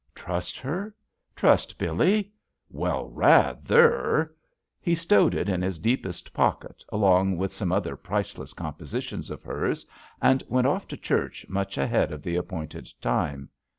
Trust her? Trust Billee? Well, rather 1 He stowed it in his deepest pocket along with some other priceless compositions of hers, and went off to church much ahead of the appointed time.